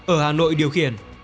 ở hà nội điều khiển